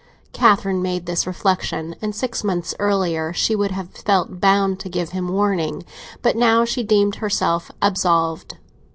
Catherine made this reflexion, and six months earlier she would have felt bound to give him warning; but now she deemed herself absolved.